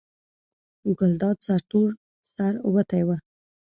ګلداد سرتور سر وتی و.